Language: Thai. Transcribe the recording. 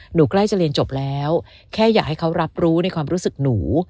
ใกล้จะเรียนจบแล้วแค่อยากให้เขารับรู้ในความรู้สึกหนู